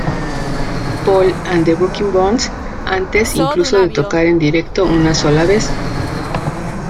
Paul and The Broken Bones", antes incluso de tocar en directo una sola vez.